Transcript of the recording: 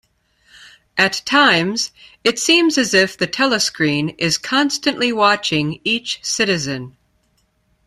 At times, it seems as if the telescreen is constantly watching each citizen.